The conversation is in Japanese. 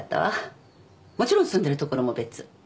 もちろん住んでるところも別。